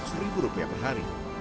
sehingga delapan ratus rupiah per hari